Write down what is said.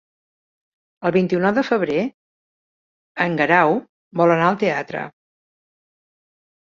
El vint-i-nou de febrer en Guerau vol anar al teatre.